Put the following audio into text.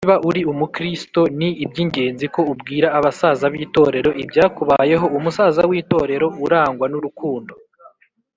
Niba uri Umukristo ni iby ingenzi ko ubwira abasaza b itorero ibyakubayeho Umusaza w itorero urangwa n urukundo